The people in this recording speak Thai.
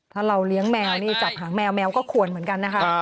ถ้าเราเลี้ยงแมวนี่จับหางแมวแมวก็ควรเหมือนกันนะคะ